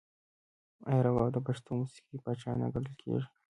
آیا رباب د پښتو موسیقۍ پاچا نه ګڼل کیږي؟